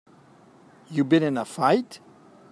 You been in a fight?